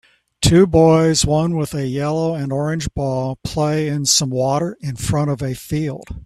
Two boys one with a yellow and orange ball play in some water in front of a field